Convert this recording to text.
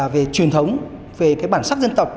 về truyền thống về bản sắc dân tộc